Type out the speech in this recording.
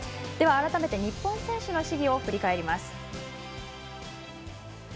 では改めて日本選手の試技を振り返ります。